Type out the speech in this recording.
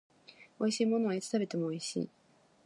美味しいものはいつ食べても美味しい